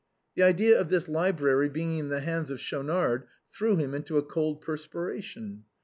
The idea of this library being in the hands of Schaunard threw him into a cold perspiration.